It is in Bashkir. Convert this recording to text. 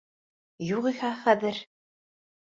Юғиһә, хәҙер...